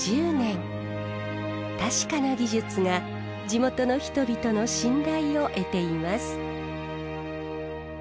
確かな技術が地元の人々の信頼を得ています。